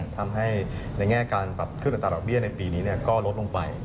ทำให้ในแง่การปรับขึ้นอัตราดอกเบี้ยในปีนี้ก็ลดลงไป